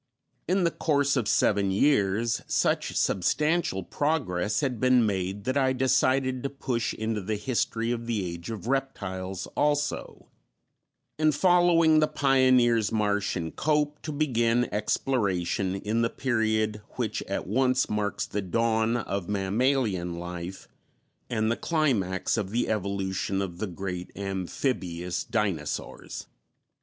In the course of seven years such substantial progress had been made that I decided to push into the history of the Age of Reptiles also, and, following the pioneers, Marsh and Cope, to begin exploration in the period which at once marks the dawn of mammalian life and the climax of the evolution of the great amphibious dinosaurs.